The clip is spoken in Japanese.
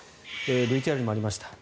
ＶＴＲにもありました